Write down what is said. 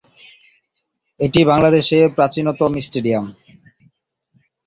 এটি বাংলাদেশের প্রাচীনতম স্টেডিয়াম।